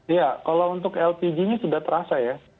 iya kalau untuk lpg nya sudah terasa ya